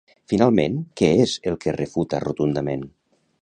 Finalment, què és el que refuta rotundament?